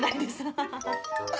ハハハ。